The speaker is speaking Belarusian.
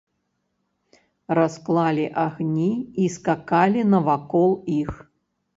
Расклалі агні і скакалі навакол іх.